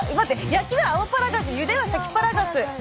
焼きはアマパラガジュゆではシャキパラガス